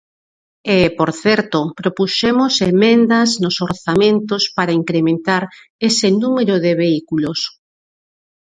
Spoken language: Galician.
E, por certo, propuxemos emendas nos orzamentos para incrementar ese número de vehículos.